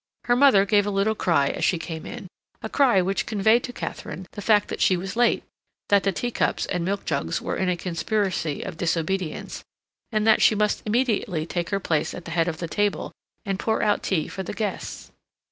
Her mother gave a little cry as she came in; a cry which conveyed to Katharine the fact that she was late, that the teacups and milk jugs were in a conspiracy of disobedience, and that she must immediately take her place at the head of the table and pour out tea for the guests.